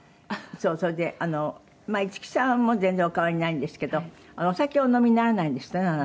それで五木さんも全然お変わりないんですけどお酒をお飲みにならないんですってねあなた。